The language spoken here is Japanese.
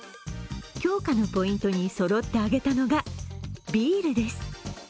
強化のポイントにそろって挙げたのがビールです。